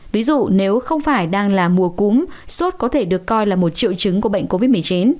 ví dụ nếu không phải đang là mùa cúm sốt có thể được coi là một triệu chứng của bệnh covid một mươi chín